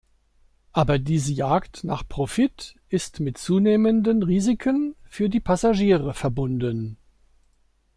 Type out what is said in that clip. Aber diese Jagd nach Profit ist mit zunehmenden Risiken für die Passagiere verbunden.